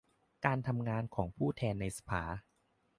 การทำงานของผู้แทนในสภา